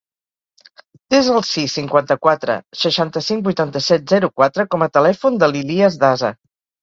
Desa el sis, cinquanta-quatre, seixanta-cinc, vuitanta-set, zero, quatre com a telèfon de l'Ilyas Daza.